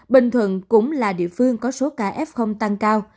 bình thuận cũng là địa phương có số ca f tăng cao